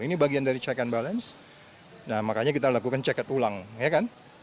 ini bagian dari check and balance nah makanya kita lakukan checket ulang ya kan